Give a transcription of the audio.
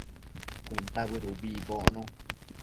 cuntabëd ubi icbocno